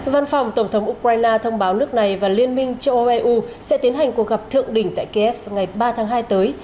văn phòng tổng thống ukraine thông báo nước này và liên minh châu âu eu sẽ tiến hành cuộc gặp thượng đỉnh tại kiev vào ngày ba tháng hai tới